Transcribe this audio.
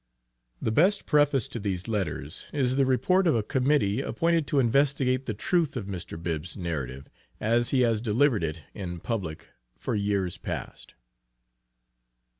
The best preface to these letters, is the report of a committee appointed to investigate the truth of Mr. Bibb's narrative as he has delivered it in public for years past.